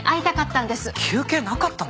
休憩なかったの？